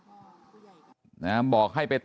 ไปรับศพของเนมมาตั้งบำเพ็ญกุศลที่วัดสิงคูยางอเภอโคกสำโรงนะครับ